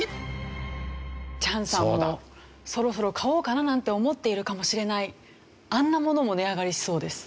チャンさんもそろそろ買おうかななんて思っているかもしれないあんなものも値上がりしそうです。